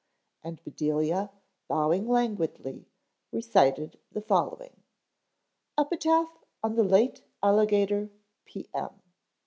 And Bedelia, bowing languidly, recited the following: EPITAPH ON THE LATE ALLIGATOR P. M.